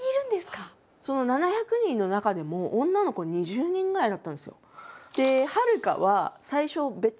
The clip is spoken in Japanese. その７００人の中でも女の子２０人ぐらいだったんですよ。